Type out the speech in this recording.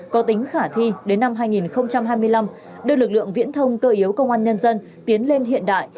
có tính khả thi đến năm hai nghìn hai mươi năm đưa lực lượng viễn thông cơ yếu công an nhân dân tiến lên hiện đại